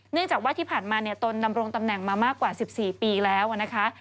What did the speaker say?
จากว่าที่ผ่านมาตนดำรงตำแหน่งมามากกว่า๑๔ปีแล้วนะคะ